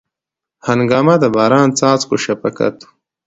هنګامه د باران څاڅکو شفقت و